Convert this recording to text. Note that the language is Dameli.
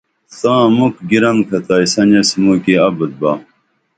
تاں مُکھ گیرن کھتائیسن ایس موں کی ابُت با